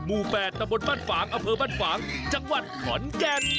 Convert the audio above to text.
หมู่๘ตะบนบ้านฝางอำเภอบ้านฝางจังหวัดขอนแก่น